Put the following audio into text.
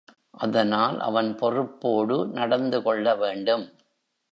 அதனால் அவன் பொறுப்போடு நடந்துகொள்ள வேண்டும்.